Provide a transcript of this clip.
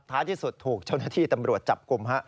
ที่สุดถูกเจ้าหน้าที่ตำรวจจับกลุ่มฮะ